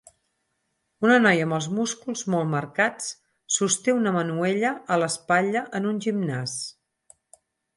Una noia amb els músculs molt marcats sosté una manuella a l'espatlla en un gimnàs.